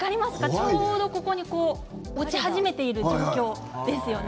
ちょうど、ここに落ち始めている状況ですよね。